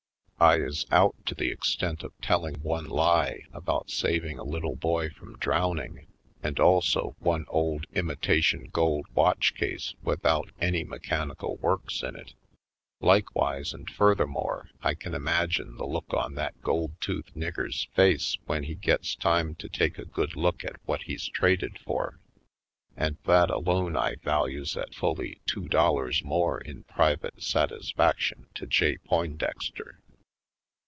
I is out to the extent of telling one lie about saving a little boy from drowning and also one old imitation gold watchcase without any mechanical works in it. Like wise and furthermore, I can imagine the look on that gold tooth nigger's face when Harlem Heights 87 he gets time to take a good look at what he's traded for, and that alone I values at fully two dollars more in private satisfac tion to J. Poindexter.